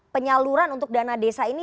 penyaluran untuk dana desa ini